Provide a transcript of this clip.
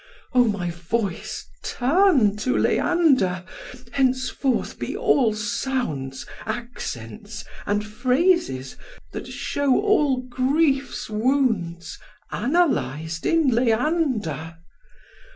O my voice, Turn to Leander! henceforth be all sounds, Accents, and phrases, that show all griefs' wounds, Analys'd in Leander!